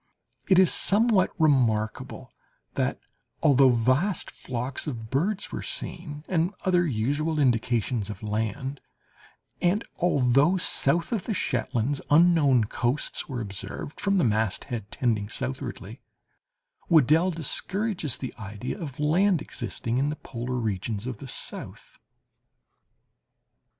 It is somewhat remarkable that, although vast flocks of birds were seen, and other usual indications of land, and although, south of the Shetlands, unknown coasts were observed from the masthead tending southwardly, Weddell discourages the idea of land existing in the polar regions of the south.